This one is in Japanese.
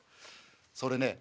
「それね